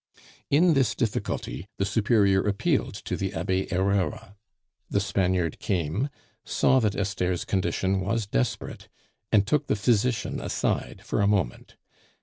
In this difficulty the Superior appealed to the Abbe Herrera. The Spaniard came, saw that Esther's condition was desperate, and took the physician aside for a moment.